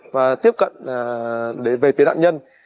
và tiếp cận về tiến đoạn cháy